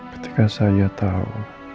ketika saya tahu